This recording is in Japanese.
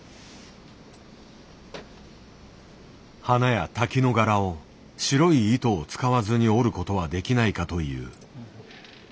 花や滝の柄を白い糸を使わずに織ることはできないかという。